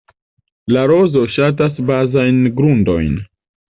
La rozo ŝatas bazajn grundojn.